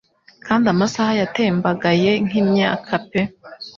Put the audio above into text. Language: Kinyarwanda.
kandi amasaha yatembagaye nk'imyaka pe